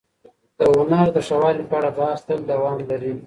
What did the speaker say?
د هنر د ښه والي په اړه بحث تل دوام لري.